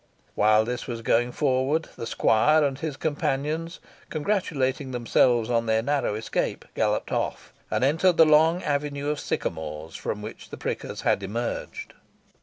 While this was going forward, the squire and his companions, congratulating themselves on their narrow escape, galloped off, and entered the long avenue of sycamores, from which the prickers had emerged.